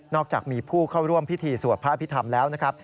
จากมีผู้เข้าร่วมพิธีสวดพระอภิษฐรรมแล้วนะครับ